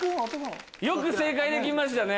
よく正解できましたね。